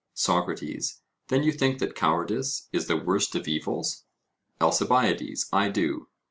SOCRATES: Then you think that cowardice is the worst of evils? ALCIBIADES: I do.